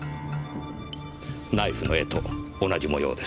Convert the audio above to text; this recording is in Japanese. ナイフの柄と同じ模様です。